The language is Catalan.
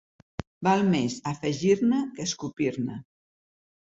Val més afegir-ne que escopir-ne.